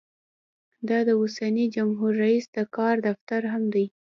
دا د اوسني جمهور رییس د کار دفتر هم دی.